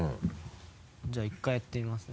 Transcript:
じゃあ１回やってみますね。